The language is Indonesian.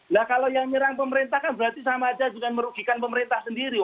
nah kalau yang nyerang pemerintah kan berarti sama aja dengan merugikan pemerintah sendiri